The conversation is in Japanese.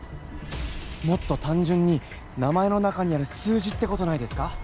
もっと単純に名前の中にある数字ってことないですか？